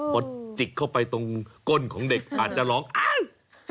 พอจิกเข้าไปตรงก้นของเด็กอาจจะร้องอ้าง